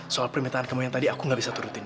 soal permintaan kamu yang tadi aku gak bisa turutin